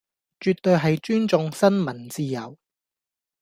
絕對係尊重新聞自由